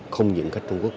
không những khách trung quốc